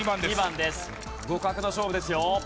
互角の勝負ですよ。